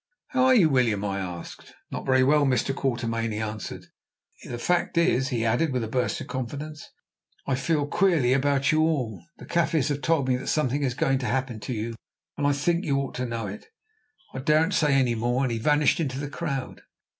"How are you, William?" I asked. "Not very well, Mr. Quatermain," he answered. "The fact is," he added with a burst of confidence, "I feel queerly about you all. The Kaffirs have told me that something is going to happen to you, and I think you ought to know it. I daren't say any more," and he vanished into the crowd.